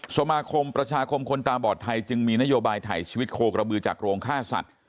สมาคมประชาคมคนตาบอดไทยจึงมีนโยบายถ่ายชีวิตโคกระบือจากโรงฆ่าสัตว์